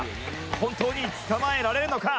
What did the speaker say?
本当に捕まえられるのか？」